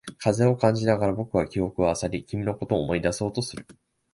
風を感じながら、僕は記憶を漁り、君のことを思い出そうとする。